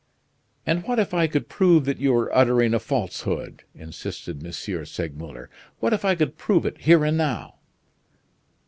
"And what if I could prove that you are uttering a falsehood?" insisted M. Segmuller. "What if I could prove it here and now?"